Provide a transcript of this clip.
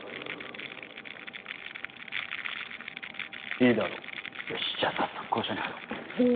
いいだろうよしじゃあ早速交渉に入ろうおー